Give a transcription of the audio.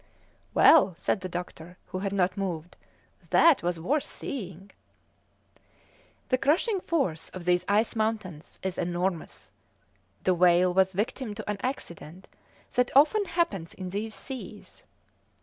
"Well," said the doctor, who had not moved, "that was worth seeing!" The crushing force of these ice mountains is enormous. The whale was victim to an accident that often happens in these seas.